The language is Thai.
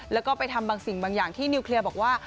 แล้วก็ไปทำบางสิ่งบางอย่างที่นิวเคลียร์บอกว่า